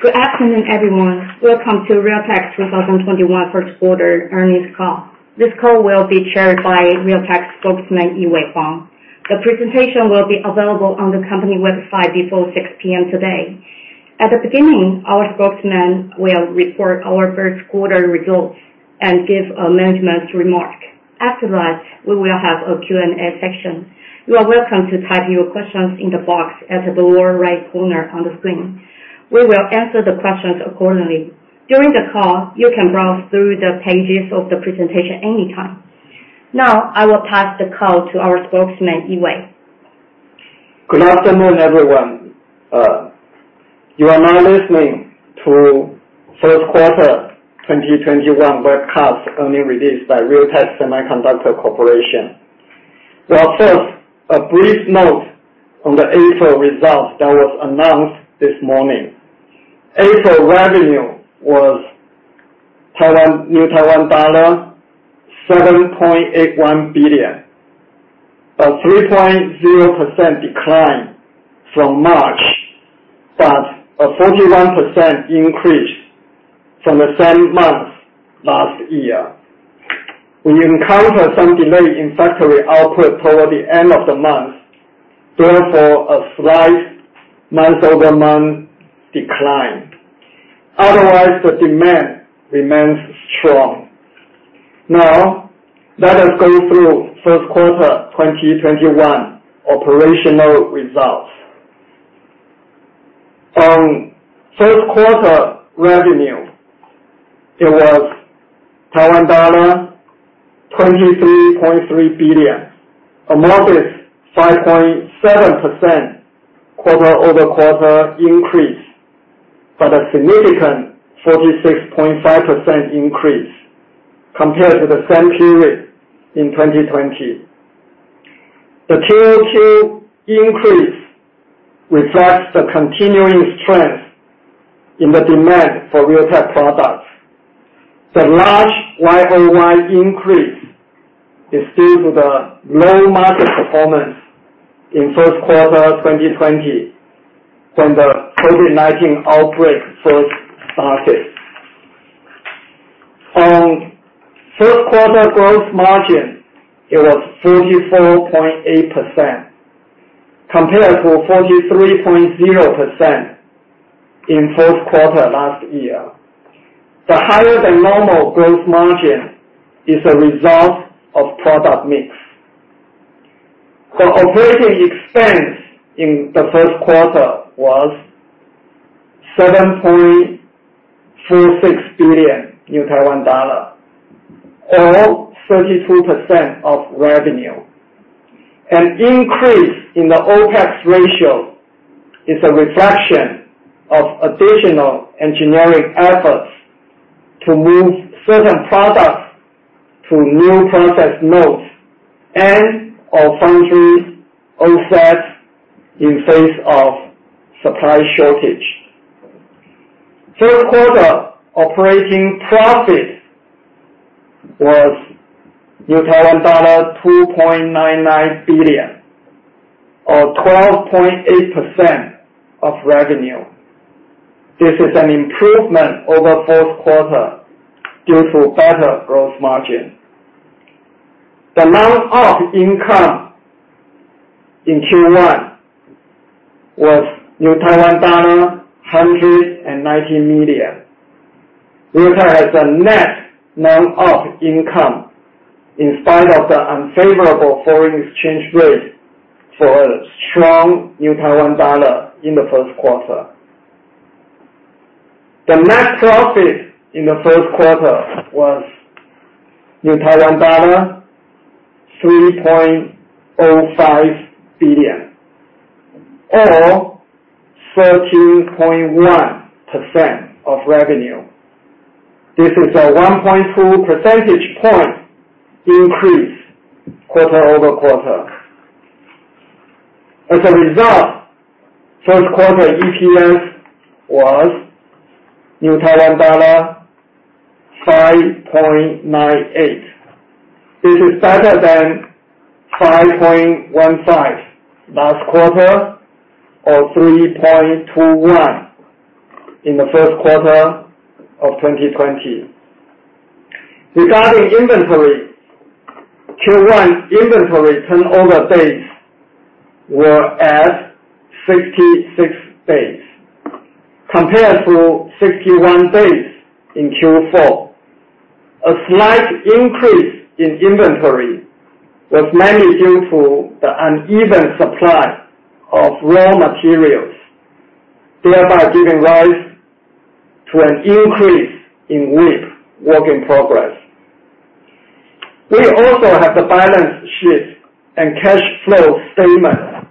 Good afternoon, everyone. Welcome to Realtek's 2021 Q1 earnings call. This call will be chaired by Realtek spokesman, Yee-Wei Huang. The presentation will be available on the company website before 6:00 P.M. today. At the beginning, our spokesman will report our Q1 results and give a management remark. After that, we will have a Q&A section. You are welcome to type your questions in the box at the lower right corner on the screen. We will answer the questions accordingly. During the call, you can browse through the pages of the presentation anytime. Now, I will pass the call to our spokesman, Yee-Wei. Good afternoon, everyone. You are now listening to Q1 2021 webcast earning release by Realtek Semiconductor Corporation. Well first, a brief note on the April results that was announced this morning. April revenue was TWD 7.81 billion, a 3.0% decline from March, but a 41% increase from the same month last year. We encountered some delay in factory output toward the end of the month, therefore, a slight month-over-month decline. Otherwise, the demand remains strong. Let us go through Q1 2021 operational results. On Q1 revenue, it was Taiwan dollar 23.3 billion, a modest 5.7% quarter-over-quarter increase, but a significant 46.5% increase compared to the same period in 2020. The QOQ increase reflects the continuing strength in the demand for Realtek products. The large YOY increase is due to the low market performance in Q1 2020 from the COVID-19 outbreak first started. On Q1 gross margin, it was 34.8% compared to 43.0% in Q4 last year. The higher than normal gross margin is a result of product mix. Our operating expense in the Q1 was 7.36 billion, or 32% of revenue. An increase in the OPEX ratio is a reflection of additional engineering efforts to move certain products to new process nodes and our foundry offsets in face of supply shortage. Q3 operating profit was TWD 2.99 billion or 12.8% of revenue. This is an improvement over Q4 due to better gross margin. The non-OP income in Q1 was TWD 190 million, which has a net non-OP income in spite of the unfavorable foreign exchange rate for a strong New Taiwan Dollar in the Q1. The net profit in the Q1 was TWD 3.05 billion, or 13.1% of revenue. This is a 1.2 percentage point increase quarter-over-quarter. As a result, Q1 EPS was Taiwan dollar 5.98. This is better than 5.15 last quarter or 3.21 in the Q1 of 2020. Regarding inventory, Q1 inventory turnover days were at 66 days compared to 61 days in Q4. A slight increase in inventory was mainly due to the uneven supply of raw materials, thereby giving rise to an increase in WIP, work in progress. We also have the balance sheet and cash flow statement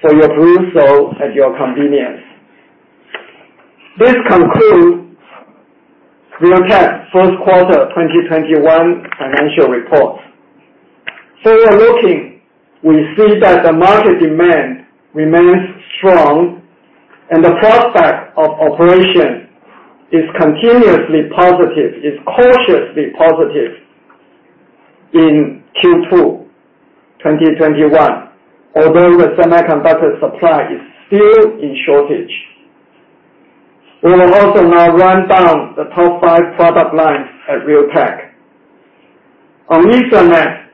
for your perusal at your convenience. This concludes Realtek's Q1 2021 financial report. Forward looking, we see that the market demand remains strong and the prospect of operation is cautiously positive. In Q2 2021, although the semiconductor supply is still in shortage, we will also now run down the top five product lines at Realtek. On Ethernet,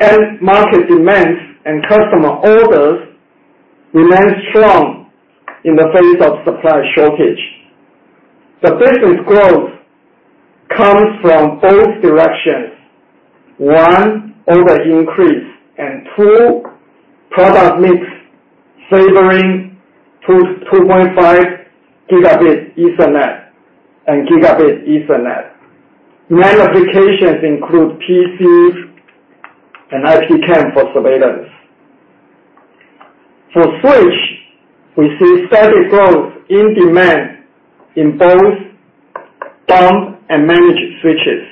end market demands and customer orders remain strong in the face of supply shortage. The business growth comes from both directions: one, order increase, and two, product mix favoring 2.5 Gb Ethernet and Gb Ethernet. Main applications include PCs and IP-CAM for surveillance. For switch, we see steady growth in demand in both dumb and managed switches.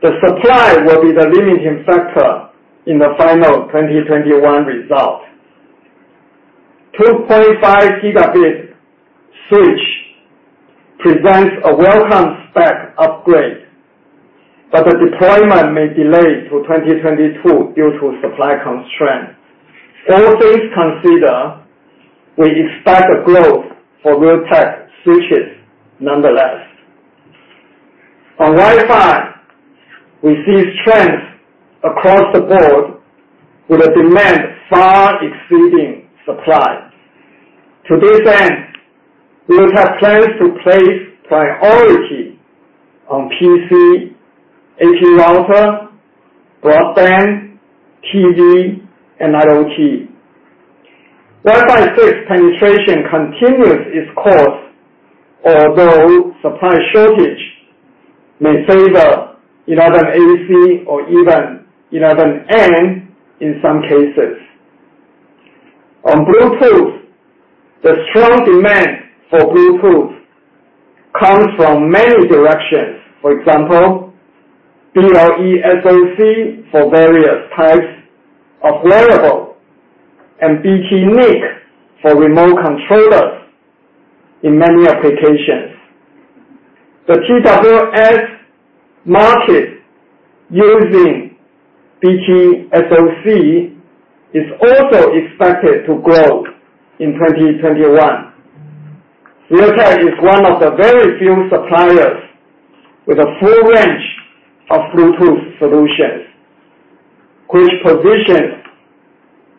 The supply will be the limiting factor in the final 2021 result. 2.5 Gb switch presents a welcome spec upgrade, the deployment may delay to 2022 due to supply constraint. All things considered, we expect a growth for Realtek switches nonetheless. On Wi-Fi, we see strength across the board with the demand far exceeding supply. To this end, we have plans to place priority on PC, AP router, broadband, TV, and IoT. Wi-Fi 6 penetration continues its course, although supply shortage may favor 11ac or even 11n in some cases. On Bluetooth, the strong demand for Bluetooth comes from many directions. For example, BLE SoC for various types of wearable and BT NIC for remote controllers in many applications. The TWS market using BT SoC is also expected to grow in 2021. Realtek is one of the very few suppliers with a full range of Bluetooth solutions, which positions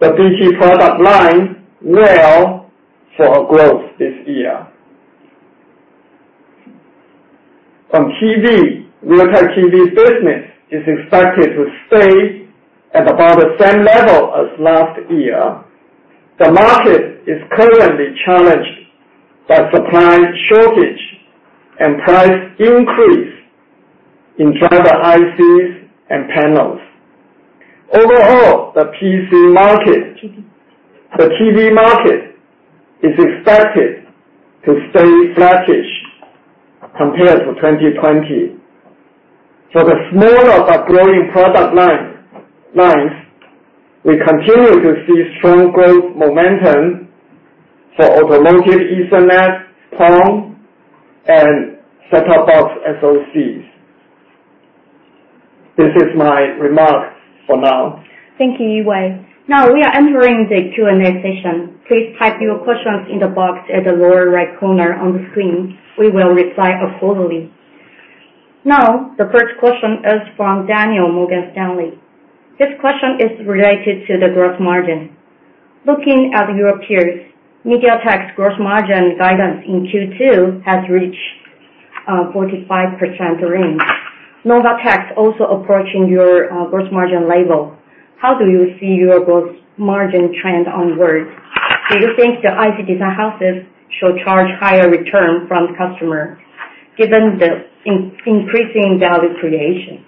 the BT product line well for growth this year. On TV, Realtek TV business is expected to stay at about the same level as last year. The market is currently challenged by supply shortage and price increase in Driver ICs and panels. Overall, the TV market is expected to stay flattish compared to 2020. For the smaller but growing product lines, we continue to see strong growth momentum for Automotive Ethernet, PON, and set-top box SoCs. This is my remarks for now. Thank you, Yee-Wei. Now we are entering the Q&A session. Please type your questions in the box at the lower right corner on the screen. We will reply accordingly. Now, the first question is from Daniel, Morgan Stanley. This question is related to the gross margin. Looking at your peers, MediaTek's gross margin guidance in Q2 has reached 45% range. Novatek also approaching your gross margin level. How do you see your gross margin trend onwards? Do you think the IP design houses should charge higher return from customer given the increasing value creation?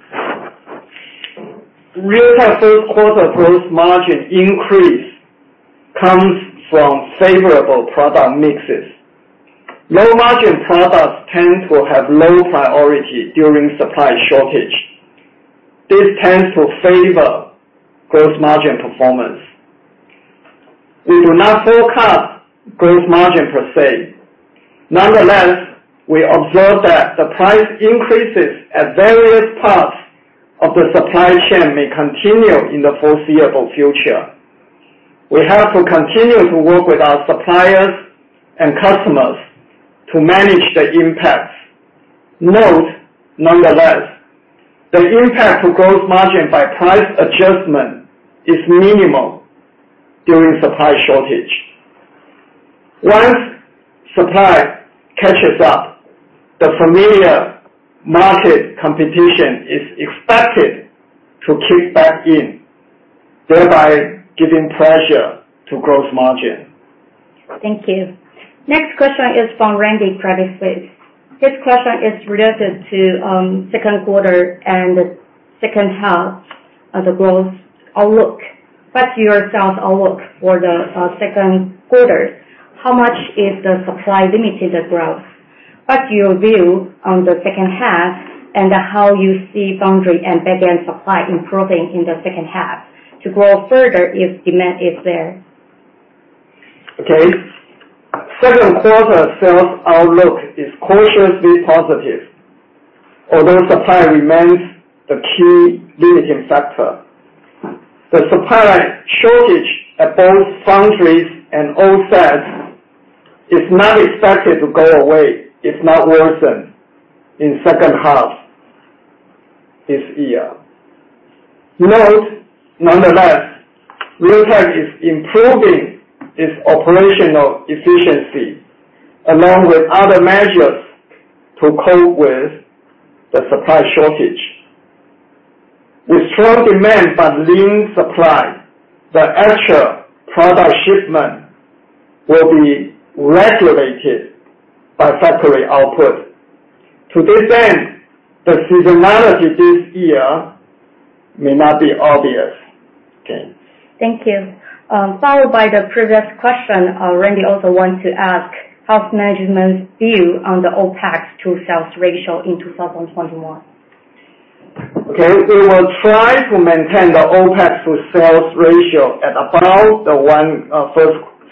Realtek Q3 gross margin increase comes from favorable product mixes. Low-margin products tend to have low priority during supply shortage. This tends to favor gross margin performance. We do not forecast gross margin per se. Nonetheless, we observe that the price increases at various parts of the supply chain may continue in the foreseeable future. We have to continue to work with our suppliers and customers to manage the impacts. Note, nonetheless, the impact to gross margin by price adjustment is minimal during supply shortage. Once supply catches up, the familiar market competition is expected to kick back in, thereby giving pressure to gross margin. Thank you. Next question is from Randy, Credit Suisse. This question is related to Q2 and H2 of the growth outlook. What's your sales outlook for the Q2? How much is the supply limited growth? What's your view on the H2 and how you see foundry and back-end supply improving in the H2 to grow further if demand is there? Okay. Q2 sales outlook is cautiously positive, although supply remains the key limiting factor. The supply shortage at both foundries and OSATs is not expected to go away, if not worsen, in H2 this year. Note, nonetheless, Realtek is improving its operational efficiency along with other measures to cope with the supply shortage. With strong demand but lean supply, the actual product shipment will be regulated by factory output. To this end, the seasonality this year may not be obvious. Okay. Thank you. Followed by the previous question, Randy also want to ask how management view on the OpEx to sales ratio in 2021. Okay. We will try to maintain the OpEx to sales ratio at above the one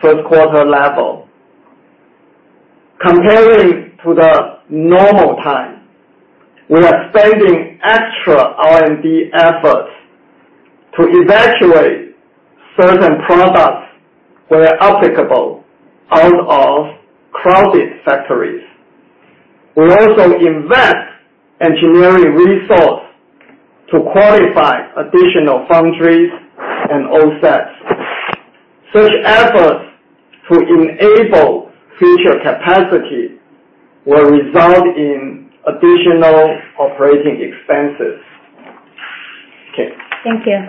Q1 level. Comparing to the normal time, we are spending extra R&D efforts to evacuate certain products where applicable out of crowded factories. We also invest engineering resource to qualify additional foundries and OSATs. Such efforts to enable future capacity will result in additional operating expenses. Okay. Thank you.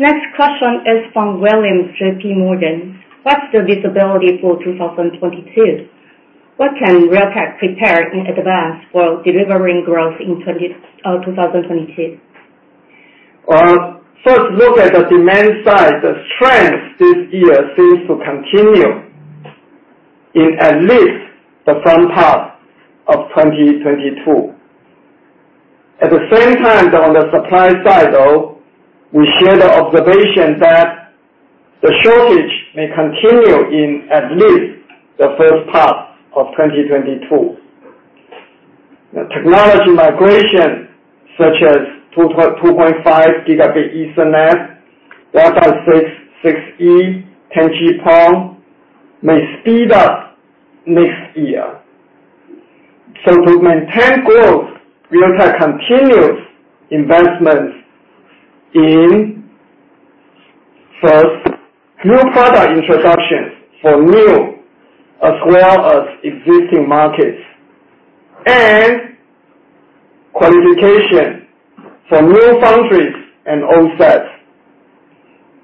Next question is from William, J.P. Morgan. What's the visibility for 2022? What can Realtek prepare in advance for delivering growth in 2022? First, look at the demand side. The strength this year seems to continue in at least the front half of 2022. At the same time, on the supply side, though, we share the observation that the shortage may continue in at least the H1 of 2022. The technology migration such as 2.5 Gb Ethernet, Wi-Fi 6E, 10G PON, may speed up next year. To maintain growth, Realtek continues investments in, first, new product introductions for new as well as existing markets. Qualification for new foundries and OSATs.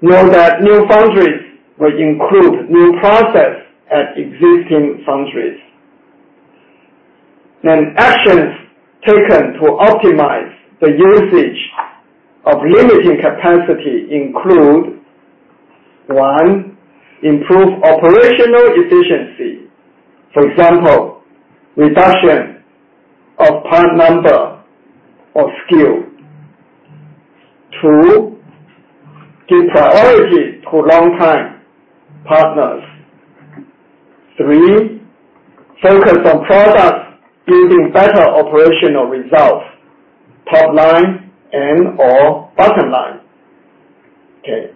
Note that new foundries will include new process at existing foundries. Actions taken to optimize the usage of limiting capacity include, one, improve operational efficiency. For example, reduction of part number or SKU. Two, give priority to longtime partners. Three, focus on products giving better operational results, top line and/or bottom line. Okay.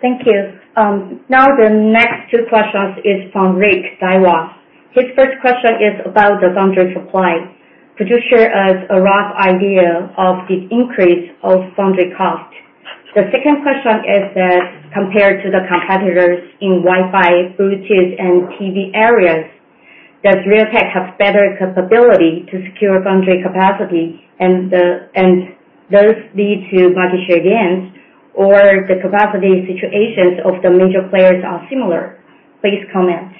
Thank you. The next two questions is from Rick, Daiwa. His first question is about the foundry supply. Could you share us a rough idea of the increase of foundry cost? The second question is that compared to the competitors in Wi-Fi, Bluetooth, and TV areas, does Realtek have better capability to secure foundry capacity, and does it lead to market share gains? The capacity situations of the major players are similar? Please comment.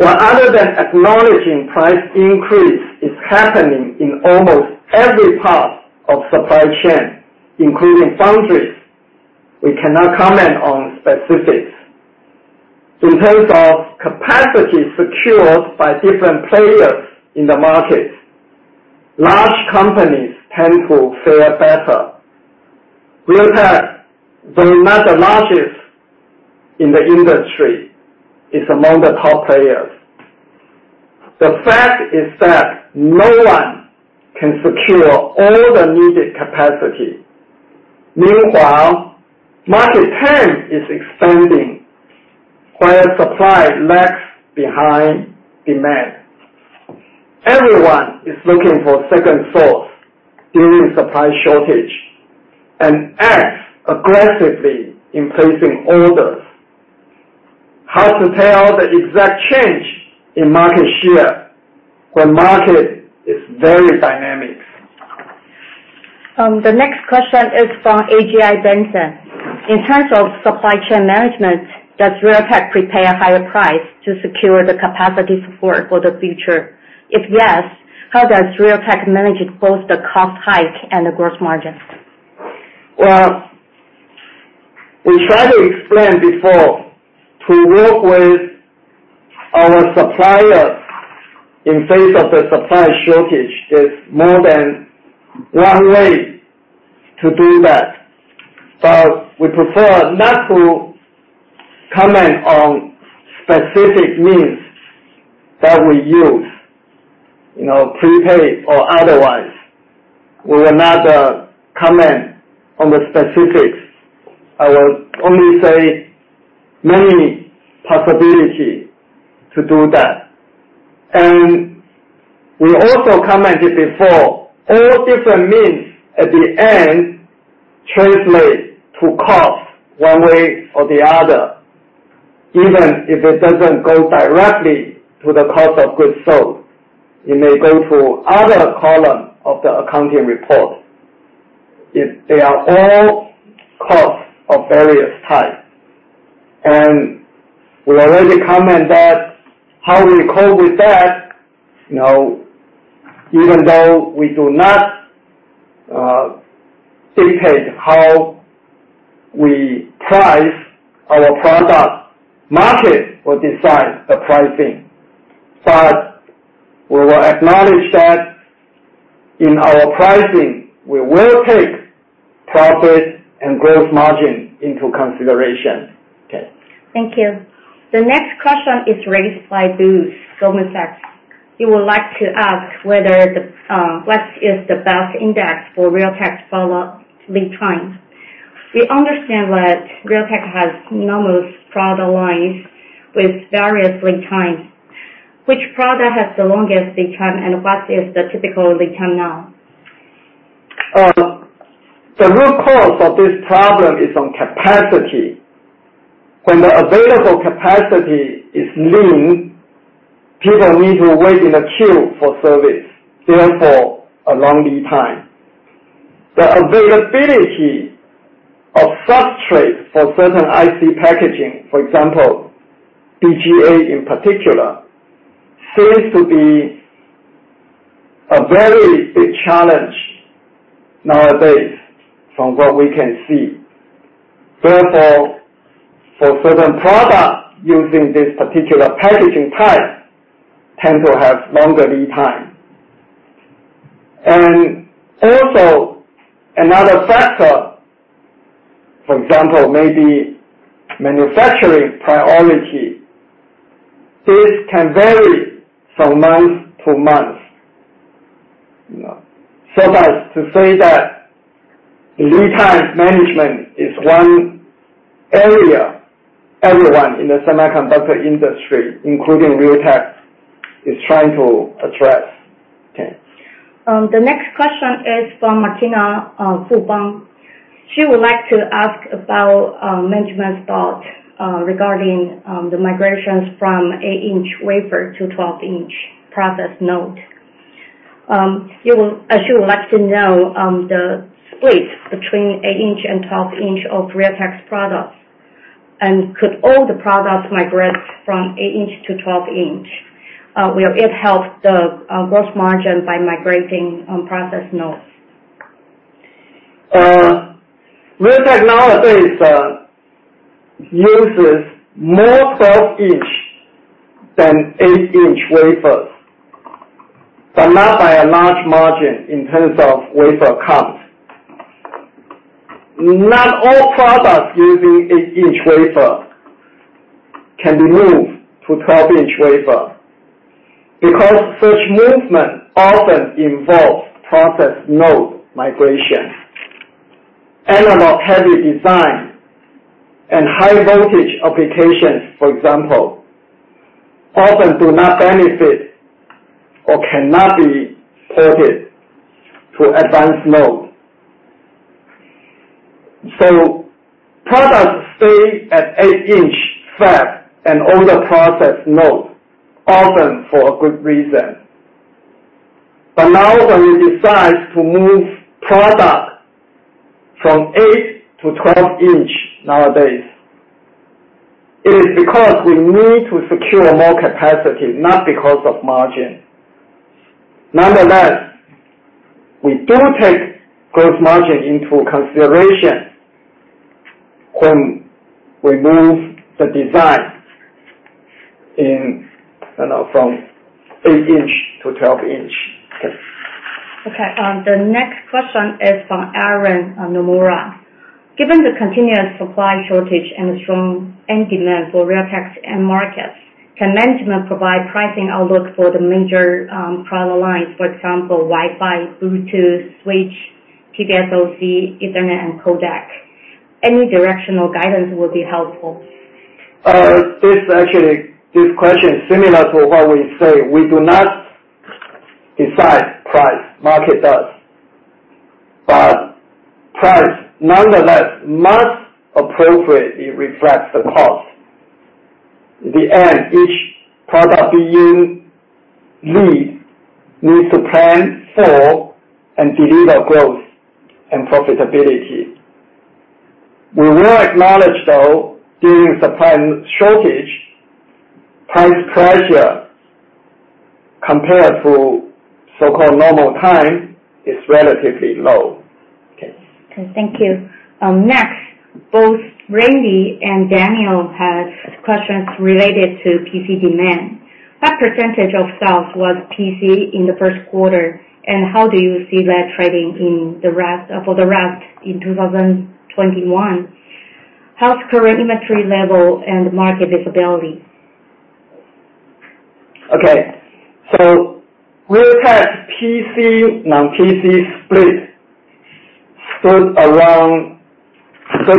Well, other than acknowledging price increase is happening in almost every part of supply chain, including foundries, we cannot comment on specifics. In terms of capacity secured by different players in the market, large companies tend to fare better. Realtek, though not the largest in the industry, is among the top players. The fact is that no one can secure all the needed capacity. Meanwhile, market trend is expanding where supply lags behind demand. Everyone is looking for second source during supply shortage, and acts aggressively in placing orders. Hard to tell the exact change in market share when market is very dynamic. The next question is from Randy Abrams. In terms of supply chain management, does Realtek prepare a higher price to secure the capacity support for the future? If yes, how does Realtek manage both the cost hike and the gross margin? Well, we tried to explain before Our supplier, in face of the supply shortage, is more than one way to do that. We prefer not to comment on specific means that we use, prepaid or otherwise. We will not comment on the specifics. I will only say many possibility to do that. We also commented before, all different means at the end translate to cost one way or the other, even if it doesn't go directly to the cost of goods sold. It may go to other column of the accounting report. They are all costs of various type. We already comment that how we cope with that, even though we do not dictate how we price our product, market will decide the pricing. We will acknowledge that in our pricing, we will take profit and gross margin into consideration. Okay. Thank you. The next question is raised by Bruce Lu, Goldman Sachs. He would like to ask what is the best index for Realtek's follow-up lead time. We understand that Realtek has numerous product lines with various lead times. Which product has the longest lead time, and what is the typical lead time now? The root cause of this problem is on capacity. When the available capacity is lean, people need to wait in a queue for service, therefore, a long lead time. The availability of substrates for certain IC packaging, for example, BGA in particular, seems to be a very big challenge nowadays from what we can see. For certain products using this particular packaging type, tend to have longer lead time. Also another factor, for example, maybe manufacturing priority. This can vary from month to month. Much to say that lead times management is one area everyone in the semiconductor industry, including Realtek, is trying to address. Okay. The next question is from Randy Abrams. She would like to ask about management thought regarding the migrations from eight-inch wafer to 12-inch process node. She would like to know the split between eight inch and 12 inch of Realtek's products. Could all the products migrate from eight inch to 12 inch? Will it help the gross margin by migrating on process nodes? Realtek nowadays uses more 12-inch than 8-inch wafers, but not by a large margin in terms of wafer count. Not all products using 8-inch wafer can be moved to 12-inch wafer because such movement often involves process node migration. Analog-heavy design and high voltage applications, for example, often do not benefit or cannot be ported to advanced node. Products stay at 8-inch fab and older process node, often for a good reason. Now when we decide to move product from 8-12 inch nowadays, it is because we need to secure more capacity, not because of margin. Nonetheless, we do take gross margin into consideration when we move the design from 8 inch-12 inch. Okay. Okay. The next question is from Aaron Jeng. Given the continuous supply shortage and strong end demand for Realtek's end markets, can management provide pricing outlook for the major product lines, for example, Wi-Fi, Bluetooth, switch, SoC, Ethernet, and Codec? Any directional guidance will be helpful. This question is similar to what we say. We do not decide price, market does. Price, nonetheless, must appropriately reflect the cost. In the end, each product we lead needs to plan for and deliver growth and profitability. We will acknowledge, though, during supply shortage, price pressure compared to so-called normal times, it's relatively low. Okay. Okay, thank you. Next, both Randy Abrams and Daniel Yen have questions related to PC demand. What percentage of sales was PC in the Q1, and how do you see that trending for the rest in 2021? How's the current inventory level and market visibility? Realtek PC, non-PC split stood around 34-36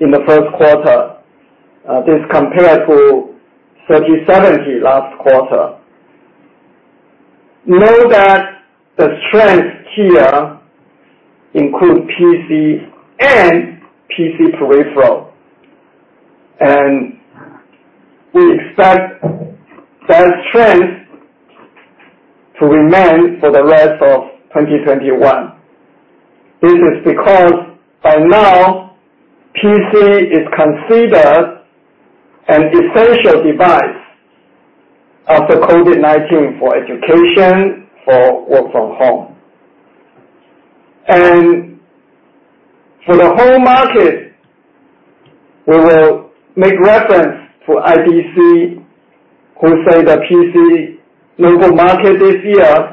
in the Q1. This compared to 30/70 last quarter. Note that the strength here includes PC and PC peripheral. We expect that strength to remain for the rest of 2021. This is because, by now, PC is considered an essential device after COVID-19 for education, for work from home. For the whole market, we will make reference to IDC, who say the PC local market this year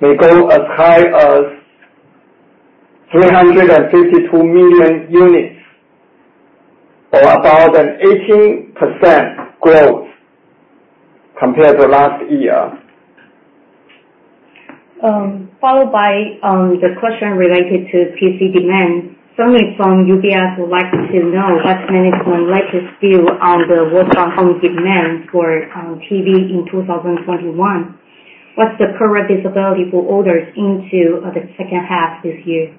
may go as high as 352 million units or about an 18% growth compared to last year. Followed by the question related to PC demand. Someone from UBS would like to know what management's latest view on the work from home demand for TV in 2021. What's the current visibility for orders into the H2 this year?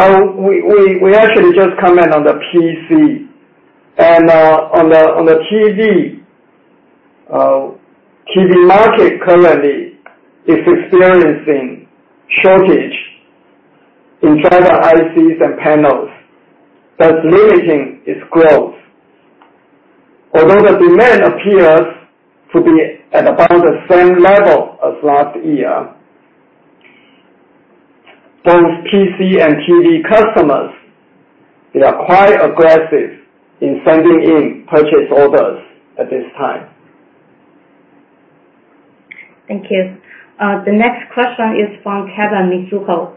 We actually just comment on the PC. On the TV market currently is experiencing shortage in driver ICs and panels. That's limiting its growth. Although the demand appears to be at about the same level as last year, both PC and TV customers, they are quite aggressive in sending in purchase orders at this time. Thank you. The next question is from Kevin Chen.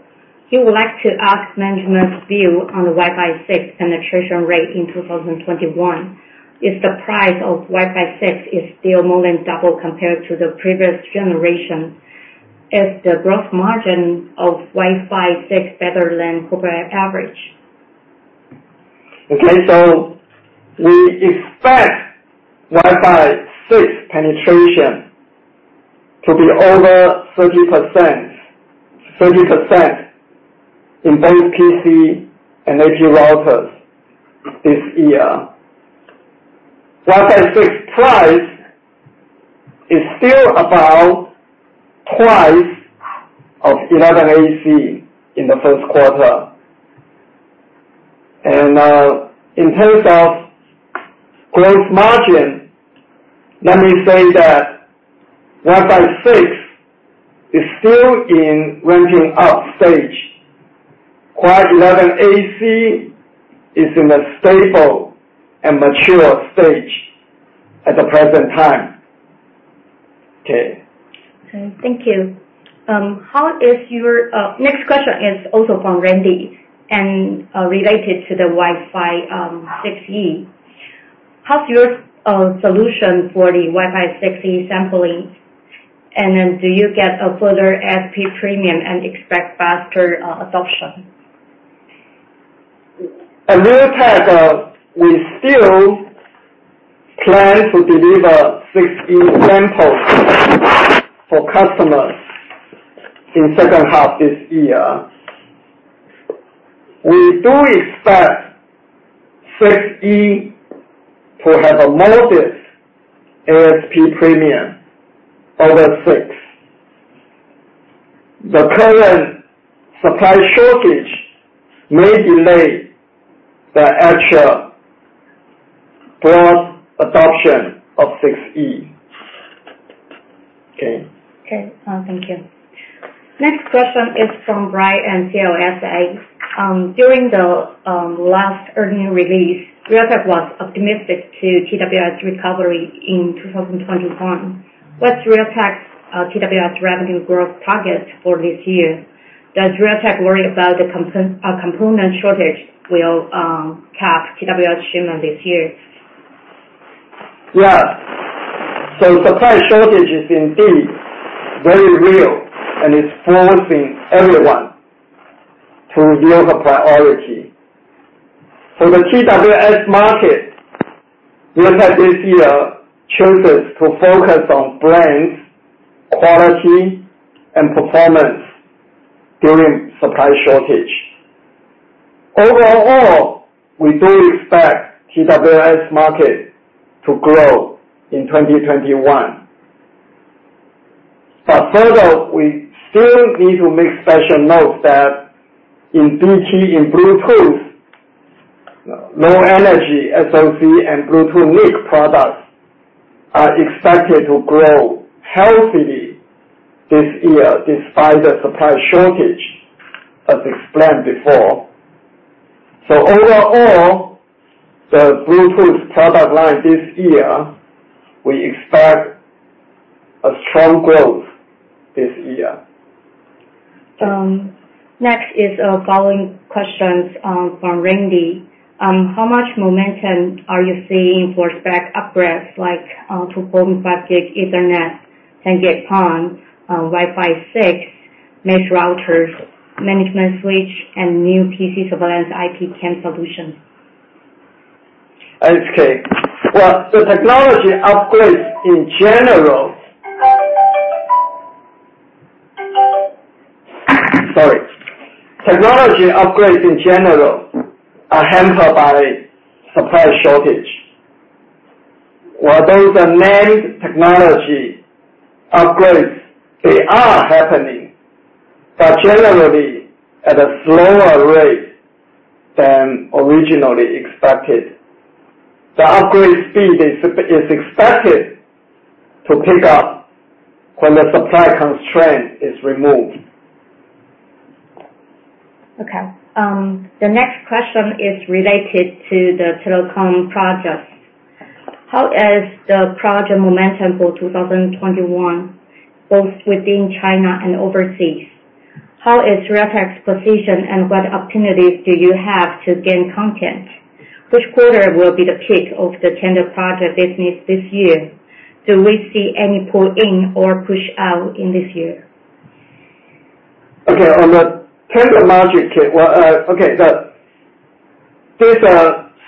He would like to ask management's view on the Wi-Fi 6 penetration rate in 2021. If the price of Wi-Fi 6 is still more than double compared to the previous generation, is the growth margin of Wi-Fi 6 better than corporate average? We expect Wi-Fi 6 penetration to be over 30% in both PC and AP routers this year. Wi-Fi 6 price is still about twice of 11ac in the Q1. In terms of gross margin, let me say that Wi-Fi 6 is still in ramping up stage, while 11ac is in a stable and mature stage at the present time. Okay. Okay. Thank you. Next question is also from Randy and related to the Wi-Fi 6E. How's your solution for the Wi-Fi 6E sampling? Do you get a further ASP premium and expect faster adoption? At Realtek, we still plan to deliver 6E samples for customers in the H2 of this year. We do expect 6E to have a modest ASP premium over 6. The current supply shortage may delay the actual broad adoption of 6E. Okay. Okay. Thank you. Next question is from Brian CLSA. During the last earning release, Realtek was optimistic to TWS recovery in 2021. What's Realtek's TWS revenue growth target for this year? Does Realtek worry about the component shortage will cap TWS shipment this year? Supply shortage is indeed very real, and it's forcing everyone to review the priority. For the TWS market, Realtek this year chooses to focus on brands, quality, and performance during supply shortage. Overall, we do expect TWS market to grow in 2021. Further, we still need to make special note that in BT, in Bluetooth, low-energy SoC and Bluetooth NIC products are expected to grow healthily this year despite the supply shortage, as explained before. Overall, the Bluetooth product line this year, we expect a strong growth this year. Next is following questions from Randy. How much momentum are you seeing for spec upgrades like to 2.5 Gig Ethernet, 10 Gig PON, Wi-Fi 6, Mesh routers, management switch, and new PC surveillance IP-CAM solution? Okay. Well, Technology upgrades, in general, are hampered by supply shortage. The main technology upgrades, they are happening, but generally at a slower rate than originally expected. The upgrade speed is expected to pick up when the supply constraint is removed. Okay. The next question is related to the telecom projects. How is the project momentum for 2021, both within China and overseas? How is Realtek's position and what opportunities do you have to gain content? Which quarter will be the peak of the tender project business this year? Do we see any pull in or push out in this year? Okay. On the tender market, well, okay, These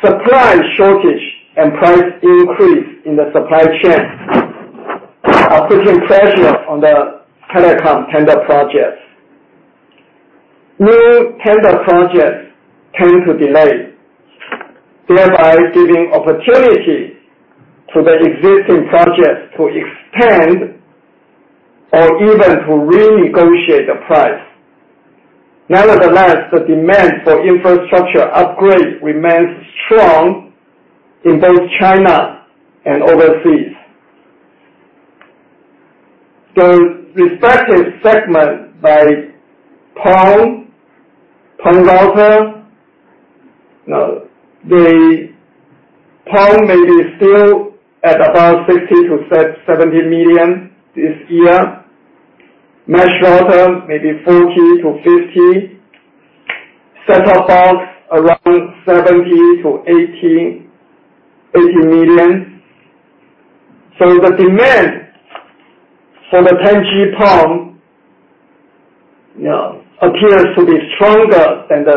supply shortage and price increase in the supply chain are putting pressure on the telecom tender projects. New tender projects tend to delay, thereby giving opportunity to the existing projects to extend or even to renegotiate the price. Nevertheless, the demand for infrastructure upgrade remains strong in both China and overseas. The respective segment by PON router. The PON may be still at about 60 million-70 million this year. Mesh router may be 40 million-50 million. Set-top box, around 70 million-80 million. The demand for the 2.5G PON appears to be stronger than 10G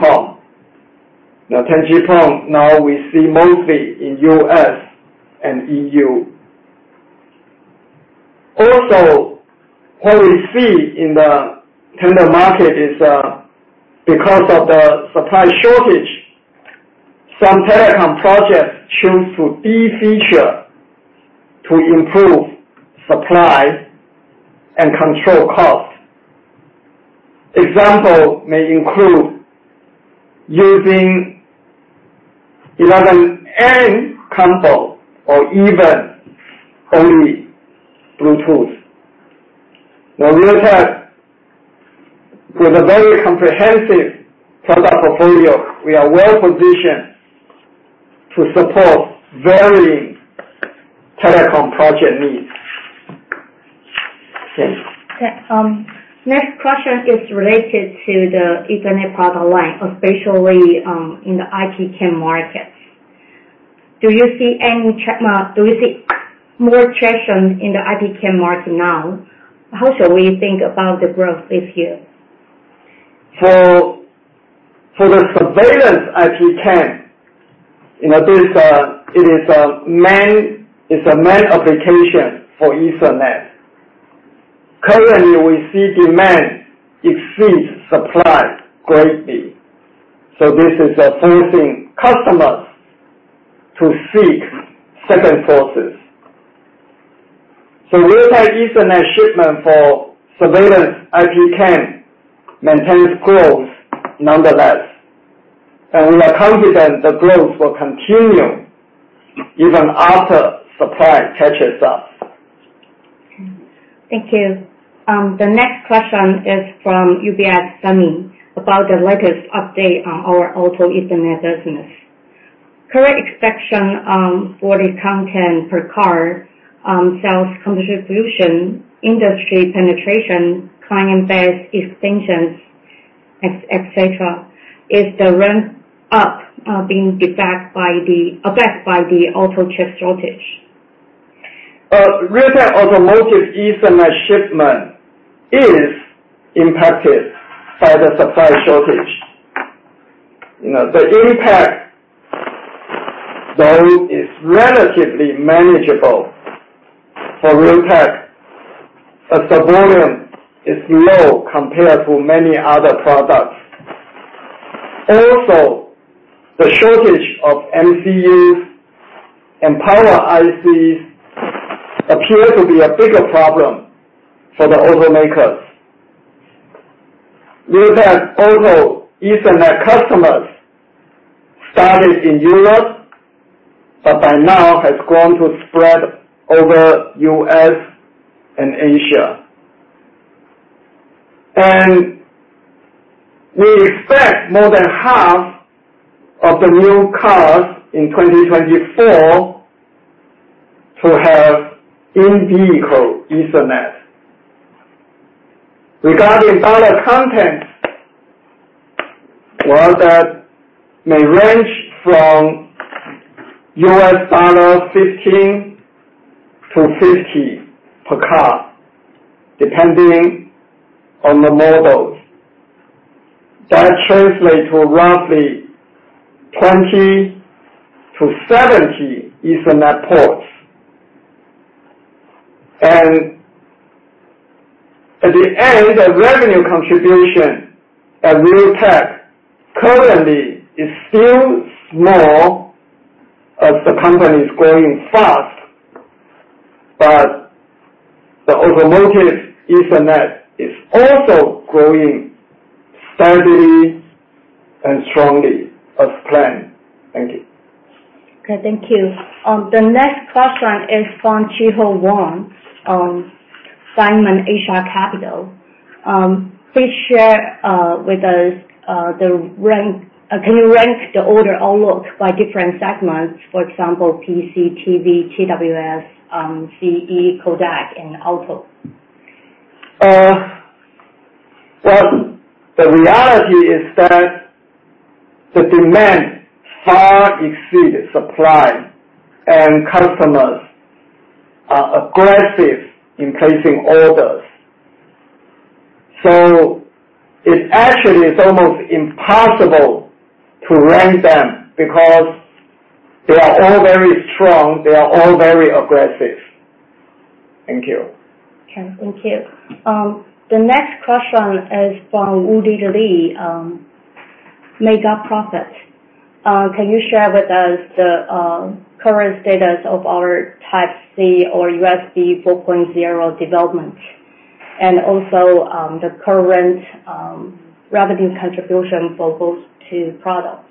PON. 10G PON, now we see mostly in U.S. and EU. What we see in the tender market is, because of the supply shortage, some telecom projects choose to de-feature to improve supply and control cost. Example may include using 11n combo or even only Bluetooth. Now Realtek, with a very comprehensive product portfolio, we are well-positioned to support varying telecom project needs. Thanks. Okay. Next question is related to the Ethernet product line, especially in the IP-CAM market. Do you see more traction in the IP-CAM market now? How shall we think about the growth this year? For the surveillance IP-CAM, it's a main application for Ethernet. Currently, we see demand exceeds supply greatly. This is forcing customers to seek second sources. Realtek Ethernet shipment for surveillance IP-CAM maintains growth nonetheless, and we are confident the growth will continue even after supply catches up. Thank you. The next question is from UBS, Szeho Ng, about the latest update on our Automotive Ethernet business. Current expectation for the content per car, sales contribution, industry penetration, client base extensions, et cetera. Is the ramp-up being affected by the auto chip shortage? Realtek Automotive Ethernet shipment is impacted by the supply shortage. The impact, though it's relatively manageable for Realtek, is low compared to many other products. The shortage of MCUs and Power ICs appears to be a bigger problem for the automakers. Realtek Automotive Ethernet customers started in Europe, but by now has grown to spread over the U.S. and Asia. We expect more than half of the new cars in 2024 to have in-vehicle Ethernet. Regarding dollar content, well, that may range from $15-$50 per car, depending on the models. That translates to roughly 20-70 Ethernet ports. At the end, the revenue contribution at Realtek currently is still small as the company's growing fast, but the Automotive Ethernet is also growing steadily and strongly as planned. Thank you. Okay, thank you. The next question is from Szeho Ng on Simon Asia Capital. Please share with us can you rank the order outlook by different segments, for example, PC, TV, TWS, CE, Codec, and auto? Well, the reality is that the demand far exceeds supply, and customers are aggressive in placing orders. It actually is almost impossible to rank them because they are all very strong, they are all very aggressive. Thank you. Okay. Thank you. The next question is from Woody Lee, Mega Profit. Can you share with us the current status of our Type-C or USB 4.0 development, and also the current revenue contribution for those two products?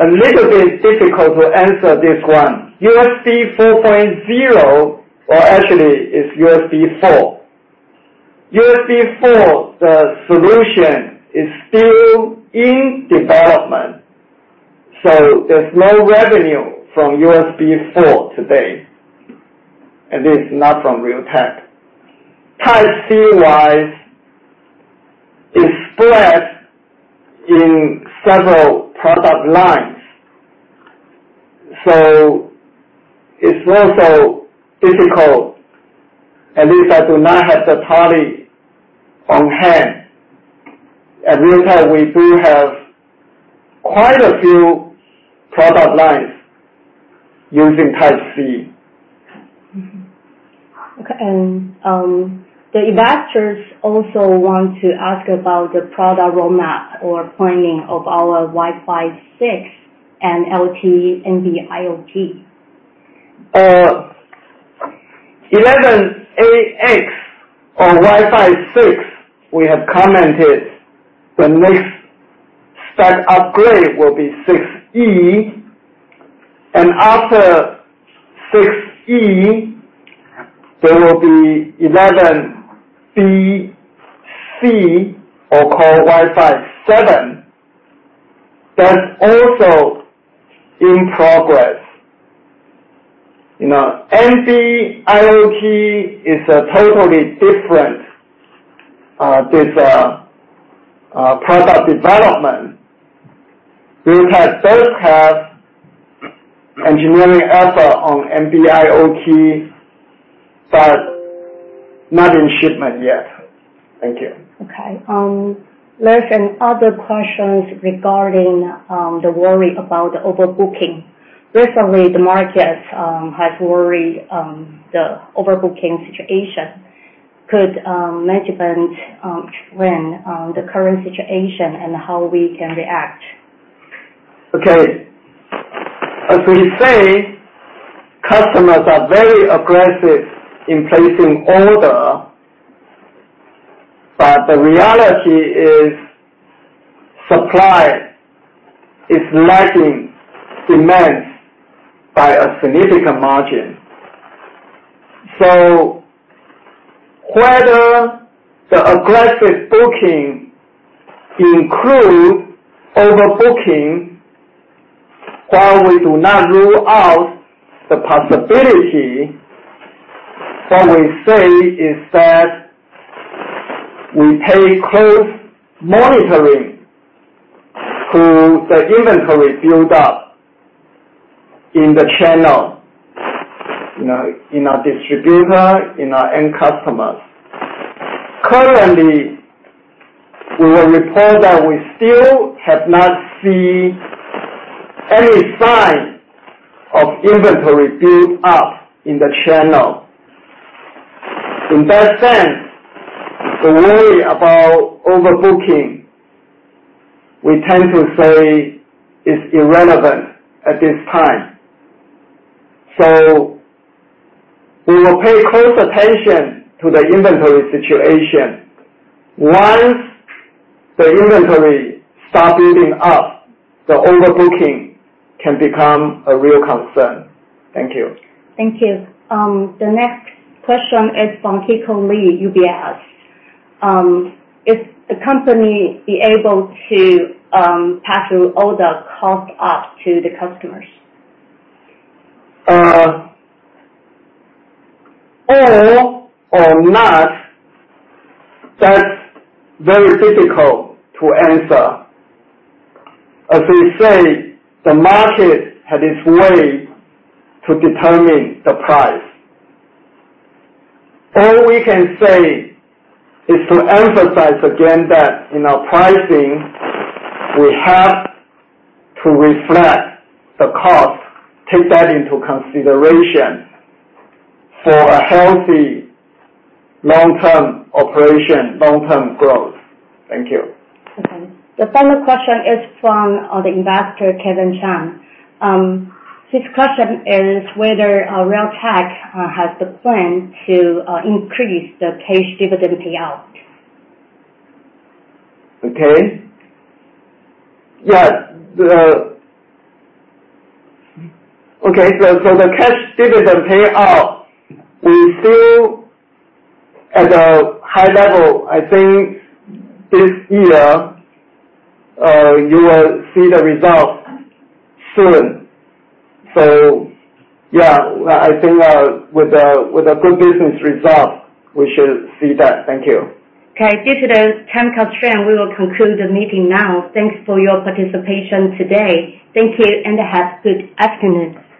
A little bit difficult to answer this one. USB 4.0, or actually it's USB4. USB4, the solution is still in development, so there's no revenue from USB4 today. At least not from Realtek. Type-C wise, is spread in several product lines. It's also difficult, at least I do not have the tally on hand. At Realtek, we do have quite a few product lines using Type-C. Okay. The investors also want to ask about the product roadmap or planning of our Wi-Fi 6 and LTE NB-IoT. 11ax or Wi-Fi 6, we have commented the next spec upgrade will be 6E, and after 6E, there will be 11be or called Wi-Fi 7. That's also in progress. NB-IoT is a totally different product development. We have both have engineering effort on NB-IoT, but not in shipment yet. Thank you. Okay. There's other questions regarding the worry about the overbooking. Recently, the market has worried the overbooking situation. Could management explain the current situation and how we can react? As we say, customers are very aggressive in placing order, the reality is supply is lagging demand by a significant margin. Whether the aggressive booking includes overbooking, while we do not rule out the possibility, what we say is that we pay close monitoring to the inventory build-up in the channel. In our distributor, in our end customers. Currently, we will report that we still have not seen any sign of inventory build-up in the channel. In that sense, the worry about overbooking, we tend to say is irrelevant at this time. We will pay close attention to the inventory situation. Once the inventory starts building up, the overbooking can become a real concern. Thank you. Thank you. The next question is from Kiko Lee, UBS. Is the company be able to pass all the cost up to the customers? All or not, that is very difficult to answer. As we say, the market has its way to determine the price. All we can say is to emphasize again that in our pricing, we have to reflect the cost, take that into consideration for a healthy long-term operation, long-term growth. Thank you. Okay. The final question is from the investor, Kevin Sham. His question is whether Realtek has the plan to increase the cash dividend payout. Okay. The cash dividend payout, we're still at a high level. I think this year, you will see the results soon. Yeah, I think with a good business result, we should see that. Thank you. Okay. Due to the time constraint, we will conclude the meeting now. Thanks for your participation today. Thank you, and have a good afternoon.